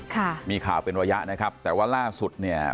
ค่ะมีข่าวเป็นระยะนะครับแต่ว่าล่าสุดเนี่ย